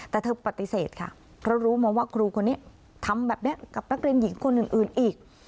แต่เธอปฏิเสธค่ะเพราะรู้มาว่าครูคนนี้ทำแบบนี้กับนักเรียนหญิงคนอื่นอีก